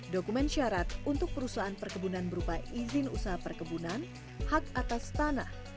dokumen syarat untuk perusahaan perkebunan berupa izin usaha perkebunan hak atas tanah